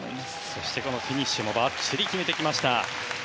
そして、フィニッシュもばっちり決めてきました。